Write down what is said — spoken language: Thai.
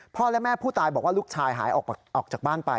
และแม่ผู้ตายบอกว่าลูกชายหายออกจากบ้านไป